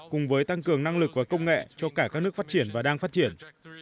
cùng với tăng cường năng lực và công nghệ cho cả các nước phát triển và đang phát triển